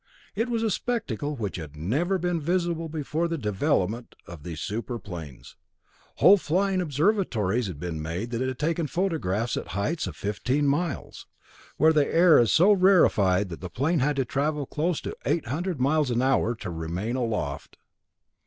It was a spectacle which had never been visible before the development of these super planes. Whole flying observatories had been made that had taken photographs at heights of fifteen miles, where the air was so rarefied that the plane had to travel close to eight hundred miles an hour to remain aloft.